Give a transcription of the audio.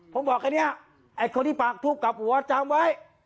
ผมบอกแบบนี้คนที่ปากทุกข์กับหัวจำไว้